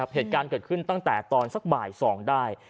เหตุการณ์เกิดขึ้นตั้งแต่ตอนสักบ่าย๒ได้